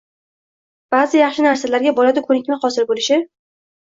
– ba’zi yaxshi narsalarga bolada ko‘nikma hosil bo‘lishi